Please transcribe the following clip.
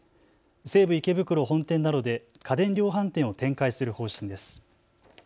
西武池袋本店などで家電量販店を展開する方針です。